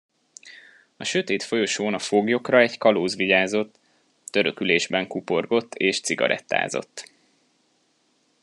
A sötét folyosón a foglyokra egy kalóz vigyázott, törökülésben kuporgott és cigarettázott.